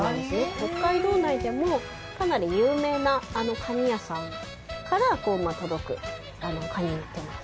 北海道内でもかなり有名なカニ屋さんから届くカニになってます。